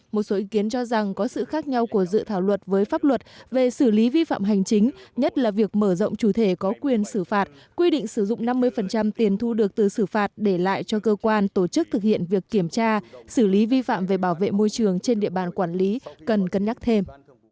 một số ý kiến cho rằng có sự khác nhau của dự thảo luật với pháp luật về xử lý vi phạm hành chính nhất là việc mở rộng chủ thể có quyền xử phạt quy định sử dụng năm mươi tiền thu được từ xử phạt để lại cho cơ quan tổ chức thực hiện việc kiểm tra xử lý vi phạm về bảo vệ môi trường trên địa bàn quản lý cần cân nhắc thêm